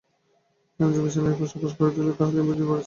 হেম যে বিছানায় এপাশ-ওপাশ করিতেছিল, তাহা তিনি বুঝিতে পারিতেছিলেন।